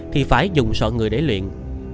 thì phải dùng sọ người để luyện